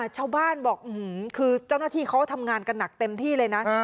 ชาวบ้านบอกคือเจ้าหน้าที่เขาทำงานกันหนักเต็มที่เลยนะ